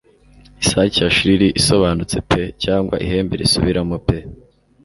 Isake ya shrill isobanutse pe cyangwa ihembe risubiramo pe